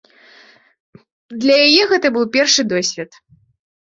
Для яе гэта быў першы досвед.